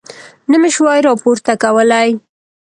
نه مې شوای راپورته کولی.